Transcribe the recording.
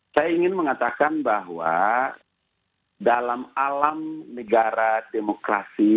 saya ingin mengatakan bahwa dalam alam negara demokrasi